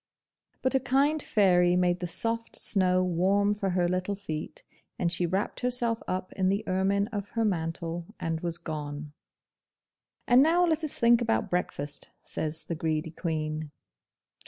But a kind fairy made the soft snow warm for her little feet, and she wrapped herself up in the ermine of her mantle, and was gone! 'And now let us think about breakfast,' says the greedy Queen.